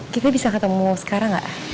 kita bisa ketemu sekarang gak